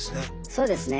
そうですね。